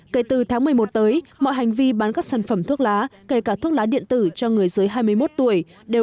kể từ tháng một mươi một tới mọi hành vi bán các sản phẩm thuốc lá kể cả thuốc lá điện tử cho người dưới hai mươi một tuổi đều